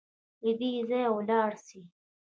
له دې ځايه ولاړ سئ